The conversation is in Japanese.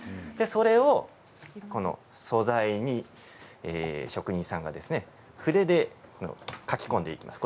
それを素材に職人さんが筆で書き込んでいきます。